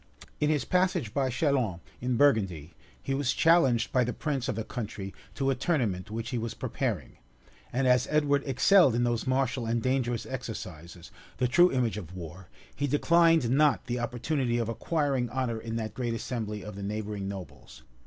{1273.} In his passage by Chalons, in Burgundy, he was challenged by the prince of the country to a tournament which he was preparing; and as Edward excelled in those martial and dangerous exercises, the true image of war, he declined not the opportunity of acquiring honor in that great assembly of the neighboring nobles.